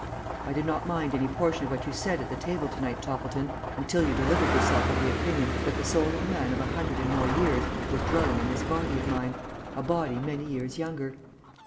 I did not mind any portion of what you said at the table to night, Toppleton, until you delivered yourself of the opinion that the soul of a man of a hundred and more years was dwelling in this body of mine, a body many years younger.